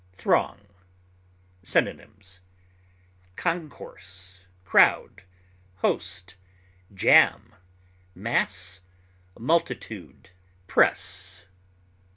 THRONG. Synonyms: concourse, crowd, host, jam, mass, multitude, press.